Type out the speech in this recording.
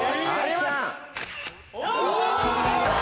お！